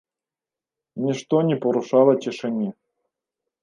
Нішто не парушала цішыні.